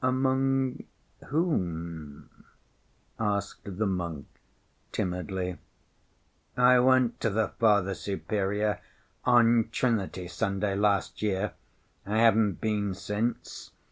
Among whom?" asked the monk, timidly. "I went to the Father Superior on Trinity Sunday last year, I haven't been since.